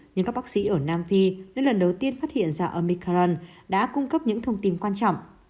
nhưng các bác sĩ ở nam phi đã lần đầu tiên phát hiện ra omican đã cung cấp những thông tin quan trọng